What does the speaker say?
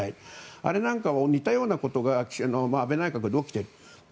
あれなんかも似たようなことが安倍内閣でも起きている。